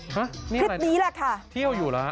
ครับนี่อะไรนะที่เอาอยู่แล้วครับคลิปนี้แหละค่ะ